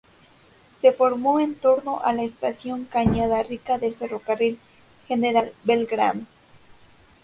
Se formó en torno a la Estación Cañada Rica del Ferrocarril General Belgrano.